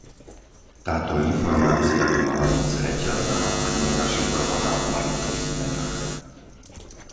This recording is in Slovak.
Táto informácia by mala byť zreteľná a nie zašifrovaná v malých písmenách.